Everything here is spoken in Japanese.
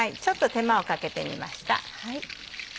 ちょっと手間を掛けてみました。